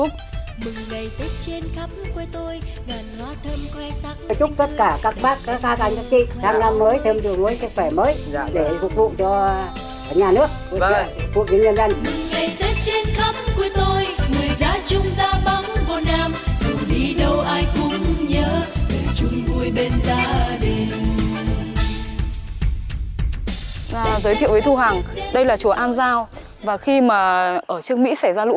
cùng với tiết trời vào xuân